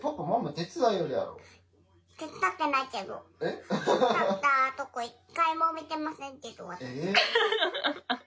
手伝ったとこ、１回も見てませんけど、私。